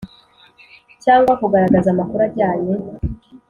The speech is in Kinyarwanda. Cyangwa kugaragaza amakuru ajyanye